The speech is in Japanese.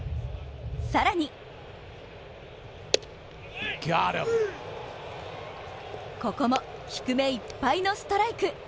更にここも低めいっぱいのストライク。